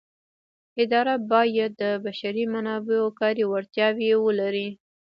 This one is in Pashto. اداره باید د بشري منابعو کاري وړتیاوې ولري.